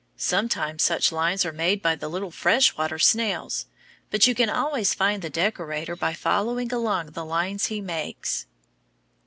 Sometimes such lines are made by the little fresh water snails; but you can always find the decorator by following along the lines he makes.